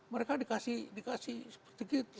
mereka dikasih seperti itu